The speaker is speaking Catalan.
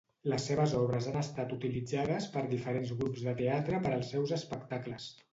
Les seves obres han estat utilitzades per diferents grups de teatre per als seus espectacles.